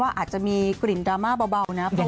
อาจจะมีกลิ่นดราม่าเบานะครับ